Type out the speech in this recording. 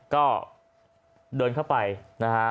ก็เดินเข้าไปนะฮะ